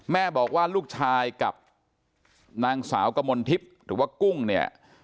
แม่บอกว่าลูกชายกับนางสาวกมลทิพย์หรือว่ากุ้งเนี่ย